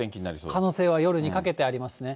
可能性は夜にかけてありますね。